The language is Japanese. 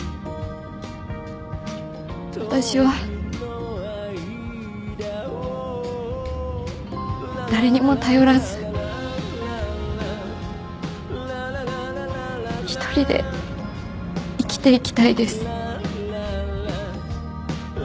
私は誰にも頼らず一人で生きていきたいです。